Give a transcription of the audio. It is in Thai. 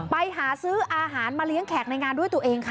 ไปหาซื้ออาหารมาเลี้ยงแขกในงานด้วยตัวเองค่ะ